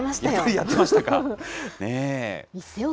やってましたか。ねぇ。